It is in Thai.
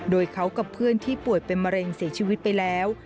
โดยเขากับเพื่อนที่ป่วยเป็นมะเร็งเสียชีวิตไปแล้ว